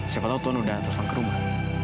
siapa tahu tuhan udah telepon ke rumah